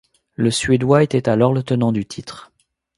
Le Suédois était alors le tenant du titre.